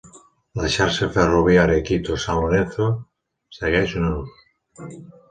La xarxa ferroviària Quito - Sant Lorenzo segueix en ús.